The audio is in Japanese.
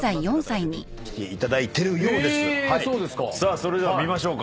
それでは見ましょうか。